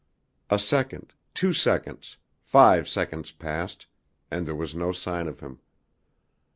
A second, two seconds, five seconds passed, and there was no sign of him.